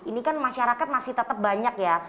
ini kan masyarakat masih tetap banyak ya